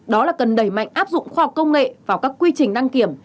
đó là cần đẩy mạnh áp dụng khoa học công nghệ vào các quy trình đăng kiểm